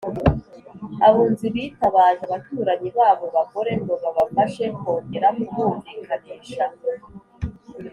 abunzi bitabaje abaturanyi b’abo bagore ngo babafashe kongera kubumvikanisha.